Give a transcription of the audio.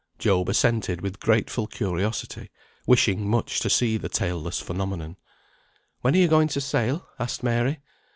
Job assented with grateful curiosity, wishing much to see the tail less phenomenon. "When are you going to sail?" asked Mary.